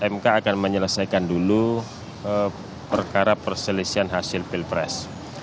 mk akan menyelesaikan dulu perkara perselisihan hasil pilpres